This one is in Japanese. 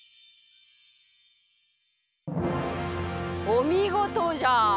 おみごとじゃ！